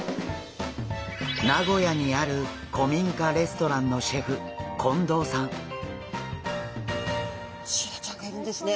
名古屋にある古民家レストランのシェフシイラちゃんがいるんですね。